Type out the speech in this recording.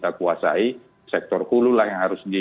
tentu untuk memperbaiki ini di sektor hulu lah yang paling penting